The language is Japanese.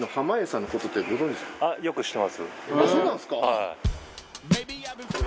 はい。